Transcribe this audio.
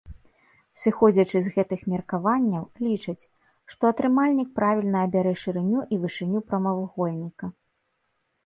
Сыходзячы з гэтых меркаванняў, лічаць, што атрымальнік правільна абярэ шырыню і вышыню прамавугольніка.